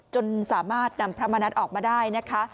จนสามารถนำพระมณัฐออกมาได้นะคะ